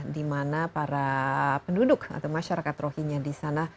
di mana para penduduk atau masyarakat rohinya di sana